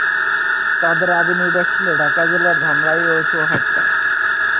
তাদের আদি নিবাস ছিল ঢাকা জেলার ধামরাই ও চৌহাট্টায়।